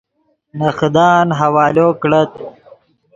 نے خدان حوالو کڑت